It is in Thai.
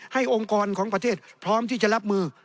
องค์กรของประเทศพร้อมที่จะรับมือ